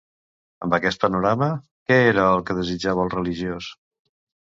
Amb aquest panorama, què era el que desitjava el religiós?